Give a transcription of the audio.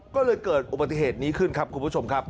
ก็เลยเกิดอุบัติเหตุนี้ขึ้นครับคุณผู้ชมครับ